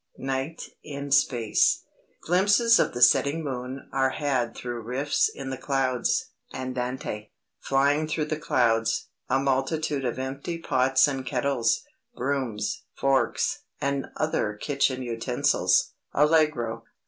NIGHT, IN SPACE "Glimpses of the setting moon are had through rifts in the clouds (Andante). Flying through the clouds, a multitude of empty pots and kettles, brooms, forks, and other kitchen utensils (Allegro).